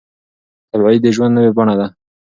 تبعيد د ژوند نوې بڼه وه.